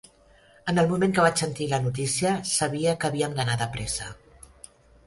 En el moment que vaig sentir la notícia, sabia que havíem d'anar de pressa.